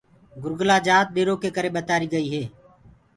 گُرگلآ جآت ڏِرو ڪي ڪري ٻتآريٚ گئيٚ هي۔